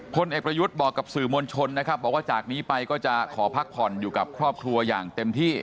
พลเอกประยุทธ์บอกกับสื่อมวลชนนะครับบอกว่าจากนี้ไปก็จะขอพักผ่อนอยู่กับครอบครัวอย่างเต็มที่